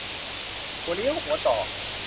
หัวเลี้ยวหัวต่อ